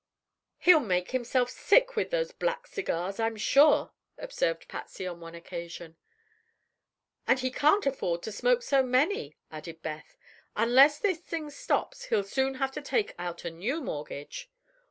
"He'll make himself sick, with those black cigars, I'm sure," observed Patsy, on one occasion. "And he can't afford to smoke so many," added Beth. "Unless this thing stops, he'll soon have to take out a new mortgage."